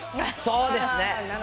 そうですね。